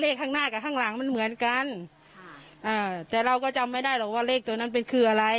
ข้างหน้ากับข้างหลังมันเหมือนกันค่ะอ่าแต่เราก็จำไม่ได้หรอกว่าเลขตัวนั้นเป็นคืออะไร